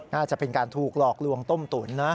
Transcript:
น่าจะเป็นการถูกหลอกลวงต้มตุ๋นนะ